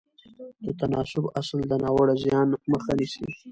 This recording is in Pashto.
د تناسب اصل د ناوړه زیان مخه نیسي.